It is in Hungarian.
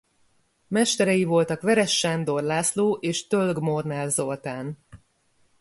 Mesterei voltak Veress Sándor László és Tölg-Molnár Zoltán.